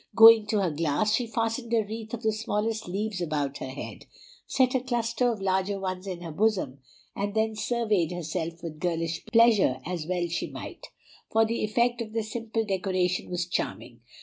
Going to her glass, she fastened a wreath of the smallest leaves about her head, set a cluster of larger ones in her bosom, and then surveyed herself with girlish pleasure, as well she might; for the effect of the simple decoration was charming.